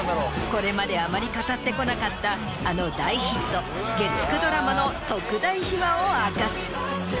これまであまり語ってこなかったあの大ヒット月９ドラマの特大秘話を明かす。